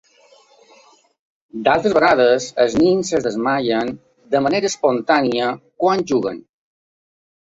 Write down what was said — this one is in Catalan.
D'altres vegades, els nens es desmaien de manera espontània quan juguen.